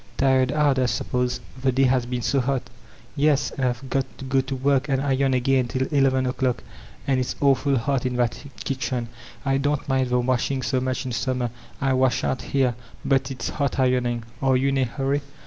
'Tired out, I suppose. The day has been so hot" ''Yes, and Tve got to go to work and iron again till eleven o'clock, and it's awful hot in that kitchen* I don't mind the washing so much in summer; I wash out here But it's hot ironing. Are you in a hurry?"